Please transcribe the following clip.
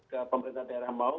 kalau pemerintah daerah mau